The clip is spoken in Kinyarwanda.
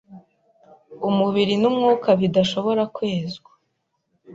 umubiri n’umwuka bidashobora kwezwa.